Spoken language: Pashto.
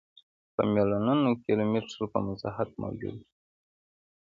په میلیونونو کیلومترو په مساحت موجود و.